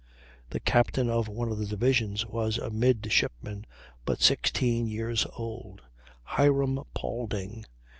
The captain of one of the divisions was a midshipman, but sixteen years old, Hiram Paulding.